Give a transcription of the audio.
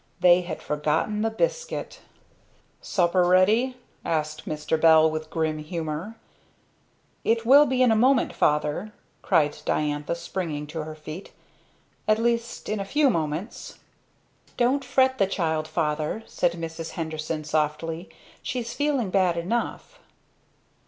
They had forgotten the biscuit. "Supper ready?" asked Mr. Bell, with grim humor. "It will be in a moment, Father," cried Diantha springing to her feet. "At least in a few moments." "Don't fret the child, Father," said Mrs. Henderson softly. "She's feeling bad enough."